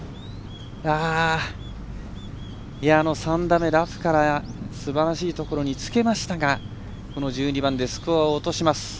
３打目、ラフからすばらしいところにつけましたがこの１２番でスコアを落とします。